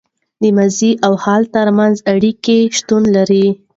د ماضي او حال تر منځ اړیکه شتون لري.